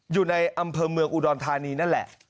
อยู่ในอำเภอเมืองอุดรธานีนั่นแหละ